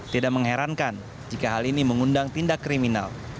tidak mengherankan jika hal ini mengundang tindak kriminal